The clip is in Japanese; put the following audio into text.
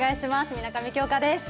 水上京香です。